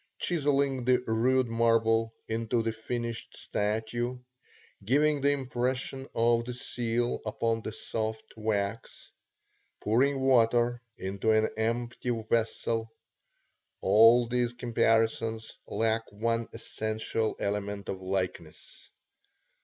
Chiselling the rude marble into the finished statue; giving the impression of the seal upon the soft wax; pouring water into an empty vessel; all these comparisons lack one essential element of likeness.